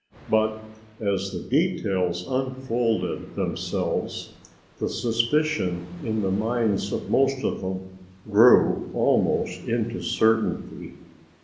But as the details unfolded themselves the suspicion in the minds of most of them grew almost into certainty.